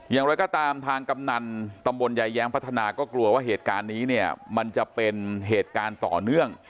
อย่างไรก็ตามทางกำนันตำบลยายแย้งพัฒนาก็กลัวว่าเหตุการณ์นี้เนี่ยมันจะเป็นเหตุการณ์ต่อเนื่อง